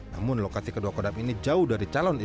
namun lokasi kedua kodam ini jauh dari calon